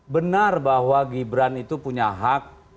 benar bahwa gibran itu punya hak